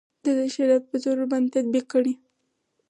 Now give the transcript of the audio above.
د ده شریعت په زور ورباندې تطبیق کړي.